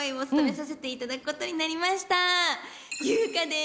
優香です。